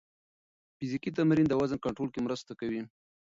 فزیکي تمرین د وزن کنټرول کې مرسته کوي.